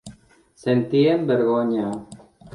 Sentien vergonya.